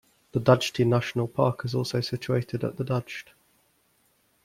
The Dajti National Park is also situated at the Dajt.